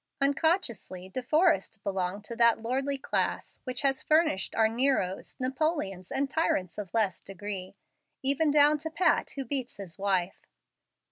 Unconsciously De Forrest belonged to that lordly class which has furnished our Neros, Napoleons, and tyrants of less degree, even down to Pat who beats his wife.